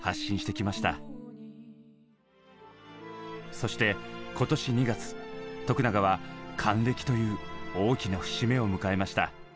そして今年２月永は還暦という大きな節目を迎えました。